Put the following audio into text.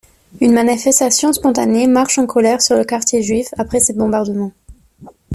Une manifestation spontanée marche en colère sur le quartier juif après ces bombardements.